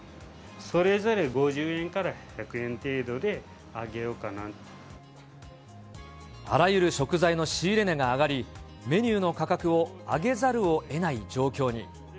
それぞれ５０円から１００円程度で、あらゆる食材の仕入れ値が上がり、メニューの価格を上げざるをえない状況に。